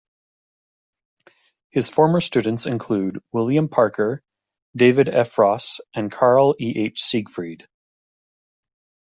His former students include William Parker, David Ephross, and Karl E. H. Seigfried.